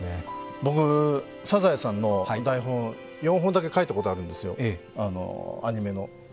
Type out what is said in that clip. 僕、アニメの「サザエさん」の台本、４本だけ書いたことあるんですよ。